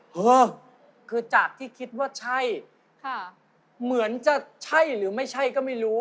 เออคือจากที่คิดว่าใช่ค่ะเหมือนจะใช่หรือไม่ใช่ก็ไม่รู้